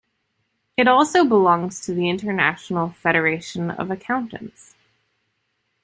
It also belongs to the International Federation of Accountants.